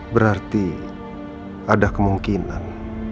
berarti ada kemungkinan